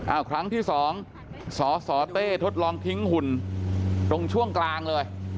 ครั้งที่สองสสเต้ทดลองทิ้งหุ่นตรงช่วงกลางเลย